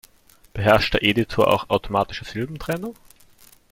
Beherrscht der Editor auch automatische Silbentrennung?